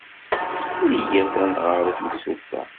Iyyat ad nɣer i temsulta.